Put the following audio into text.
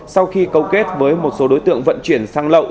sau khi cấu kết với một số đối tượng vận chuyển sang lậu